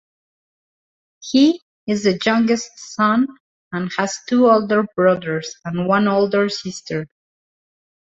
He is the youngest son and has two older brothers and one older sister.